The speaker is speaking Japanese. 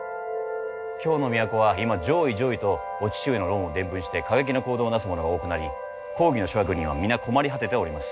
京の都は今「攘夷、攘夷」とお父上の論を伝聞して過激な行動をなす者が多くなり公儀の諸役人は皆、困り果てております。